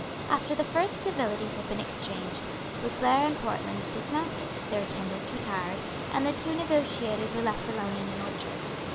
After the first civilities had been exchanged, Boufflers and Portland dismounted; their attendants retired; and the two negotiators were left alone in an orchard.